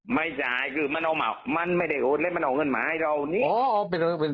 ไม่ใช่ว่ามันไม่ได้เอาเงินมาให้เรา